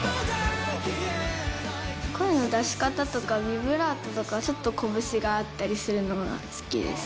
声の出し方とか、ビブラートとか、ちょっとこぶしがあったりするのが好きです。